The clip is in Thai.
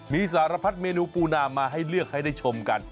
มีสารพัดเมนูปูนามาให้เลือกให้ได้ชมกัน